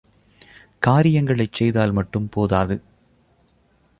காரியங்களைச் செய்தால் மட்டும் போதாது.